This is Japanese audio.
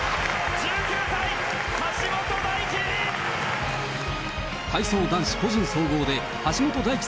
１９歳、橋本大輝！